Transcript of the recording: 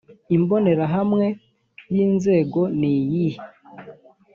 imbonerahamwe y inzego niyihe